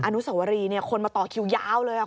อนุสวรีคนมาต่อคิวยาวเลย